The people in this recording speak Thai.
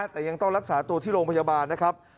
แต่ยังต้องรักษาตัวที่โรงพยาบาลนะครับ